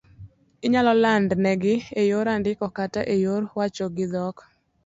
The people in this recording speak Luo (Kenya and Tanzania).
Inyalo landnigi eyor andiko kata eyor wacho gi dhok